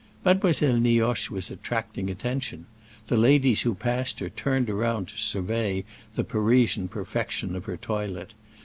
Mademoiselle Nioche was attracting attention: the ladies who passed her turned round to survey the Parisian perfection of her toilet.